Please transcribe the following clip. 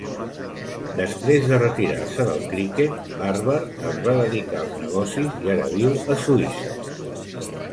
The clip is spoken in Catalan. Després de retirar-se del criquet, Barber es va dedicar als negocis i ara viu a Suïssa.